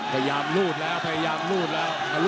พยายามรูดแล้วพยายามรูดแล้ว